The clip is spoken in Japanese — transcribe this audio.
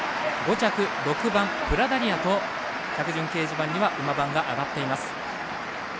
５着、６番プラダリアと着順掲示板には馬番が、あがっています。